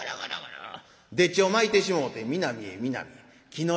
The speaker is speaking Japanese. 丁稚をまいてしもうて南へ南へ紀ノ